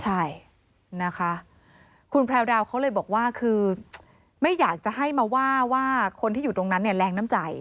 ใช่นะคะคุณแพรวดาวเขาเลยบอกว่าคือไม่อยากจะให้มาว่าว่าคนที่อยู่ตรงนั้นเนี่ยแรงน้ำใจ